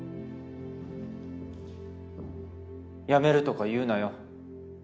やめるとか言うなよ。